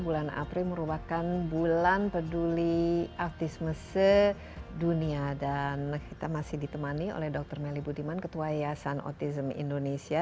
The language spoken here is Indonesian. bulan april merupakan bulan peduli autisme sedunia dan kita masih ditemani oleh dr melly budiman ketua yayasan autism indonesia